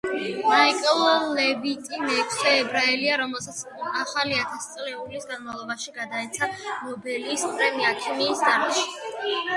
მაიკლ ლევიტი მეექვსე ებრაელია, რომელსაც ახალი ათასწლეულის განმავლობაში გადაეცა ნობელის პრემია ქიმიის დარგში.